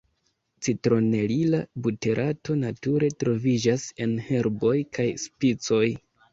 Citronelila buterato nature troviĝas en herboj kaj spicoj.